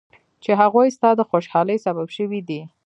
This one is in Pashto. چې هغوی ستا د خوشحالۍ سبب شوي دي.